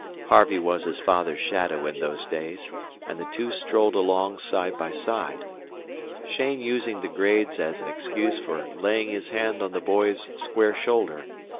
Harvey was his father's shadow in those days, and the two strolled along side by side, Cheyne using the grades as an excuse for laying his hand on the boy's square shoulder.